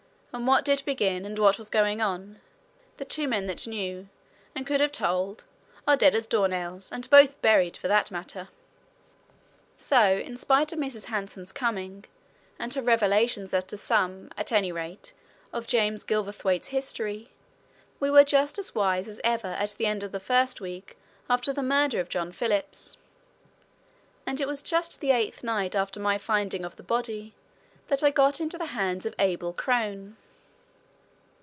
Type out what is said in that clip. And what did begin, and what was going on? The two men that knew, and could have told, are dead as door nails and both buried, for that matter." So, in spite of Mrs. Hanson's coming and her revelations as to some, at any rate, of James Gilverthwaite's history, we were just as wise as ever at the end of the first week after the murder of John Phillips. And it was just the eighth night after my finding of the body that I got into the hands of Abel Crone.